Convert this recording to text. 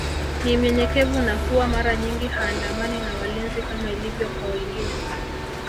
Ni mnyenyekevu na huwa mara nyingi haandamani na walinzi kama ilivyo kwa wengine